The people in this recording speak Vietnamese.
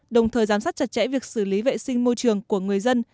đồng thời giám sát chặt chẽ việc xử lý vệ sinh môi trường của người dân